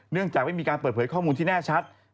จากไม่มีการเปิดเผยข้อมูลที่แน่ชัด